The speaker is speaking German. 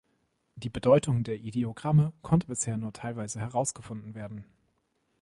Die Bedeutung der Ideogramme konnte bisher nur teilweise herausgefunden werden.